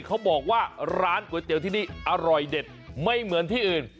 เขาบอกว่าร้านก๋วยเตี๋ยวที่นี่อร่อยเด็ดไม่เหมือนที่อื่น